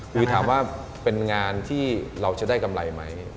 คือถามว่าเป็นงานที่เราจะได้กำไรไหม